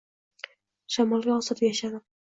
Shamolga osilib yashadim